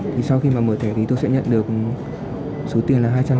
thì sau khi mà mở thẻ thì tôi sẽ nhận được số tiền là hai trăm năm mươi